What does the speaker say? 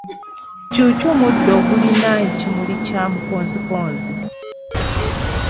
Kyukyu muddo ogulina ekimuli kya Mukonzikonzi.